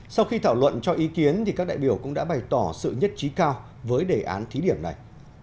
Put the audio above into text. sau khi thảo luận cho ý kiến các đại biểu cũng đã bày tỏ sự nhất trí cao với đề án thí điểm này